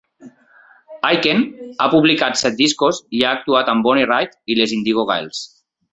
Aiken ha publicat set discos i ha actuat amb Bonnie Raitt i les Indigo Girls.